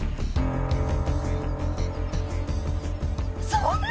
そんな！